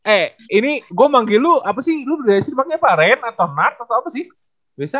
eh ini gua manggil lu apa sih lu biasanya pake apa reinhardt atau nart atau apa sih biasa